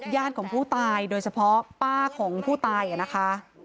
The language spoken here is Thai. ญาติของผู้ตายโดยเฉพาะป้าของผู้ตายนะคะ